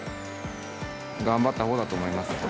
頑張ったほうだと思います。